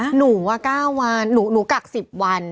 หนูว่า๙วันหนูกัก๑๐วัน